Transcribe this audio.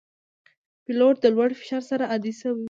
پیلوټ د لوړ فشار سره عادي شوی وي.